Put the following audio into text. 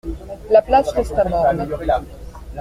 La place resta morne.